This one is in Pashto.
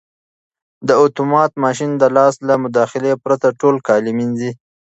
دا اتومات ماشین د لاس له مداخلې پرته ټول کالي مینځي.